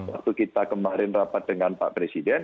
waktu kita kemarin rapat dengan pak presiden